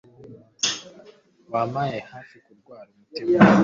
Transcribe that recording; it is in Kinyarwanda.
Wampaye hafi kurwara umutima.